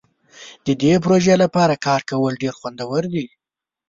د دې پروژې لپاره کار کول ډیر خوندور دي.